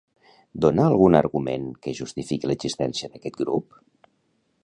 Dona algun argument que justifiqui l'existència d'aquest grup?